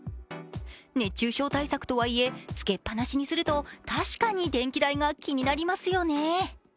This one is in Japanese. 熱中症対策とはいえ、つけっぱなしにすると確かに電気代が気になりますよね。